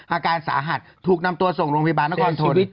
อาการสาหัสถูกนำตัวส่งโรงพยาบาลนครโทฤษ